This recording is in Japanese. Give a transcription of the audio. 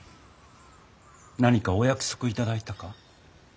何かお約束いただいたか？